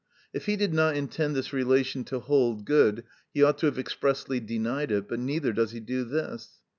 If he did not intend this relation to hold good, he ought to have expressly denied it; but neither does he do this.